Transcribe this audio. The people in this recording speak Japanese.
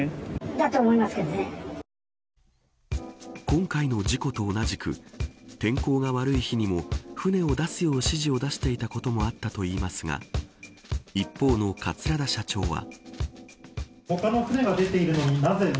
今回の事故と同じく天候が悪い日にも船を出すよう指示を出していたこともあったといいますが一方の桂田社長は。